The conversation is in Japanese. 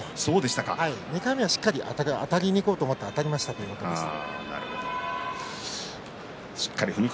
２回目はだからしっかりあたりにいこうと思ってあたっていきましたと話していました。